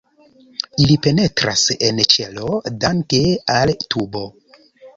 Ili penetras en ĉelo danke al tubo.